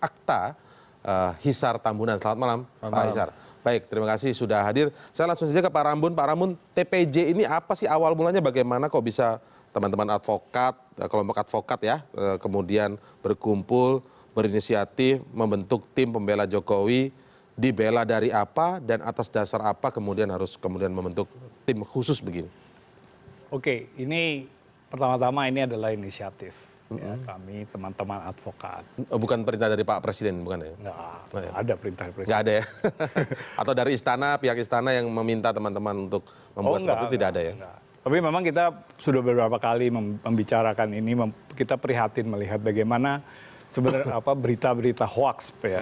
kita prihatin melihat bagaimana sebenarnya berita berita hoax